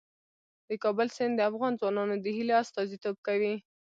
د کابل سیند د افغان ځوانانو د هیلو استازیتوب کوي.